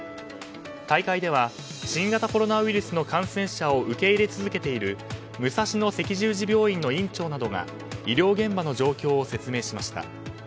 大会では新型コロナウイルスの感染者を受け入れ続けている武蔵野赤十字病院の院長などが医療現場の状況を説明しました。